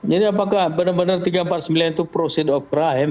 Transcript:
jadi apakah benar benar tiga ratus empat puluh sembilan itu prosedur krim